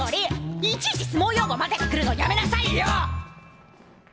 いちいち相撲用語混ぜてくるのやめなさいよ！